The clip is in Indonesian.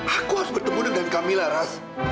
aku harus bertemu dengan kamilah ras